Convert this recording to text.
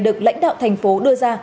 được lãnh đạo thành phố đưa ra